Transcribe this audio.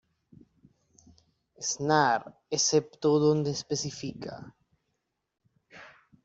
Snare, excepto donde específica.